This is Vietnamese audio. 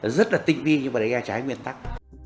rất là tinh vi nhưng mà đấy là trái nguyên tắc